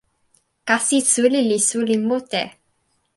kasi suli li suli mute.